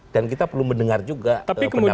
dan kita perlu mendengar juga pendapat pak lugung